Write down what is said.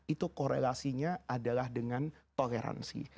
itu korelasinya adalah dengan toleransi